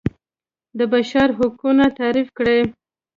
د بشر حقونه تعریف کړي.